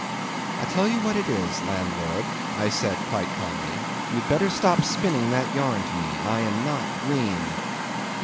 "I tell you what it is, landlord," said I quite calmly, "you'd better stop spinning that yarn to me—I'm not green."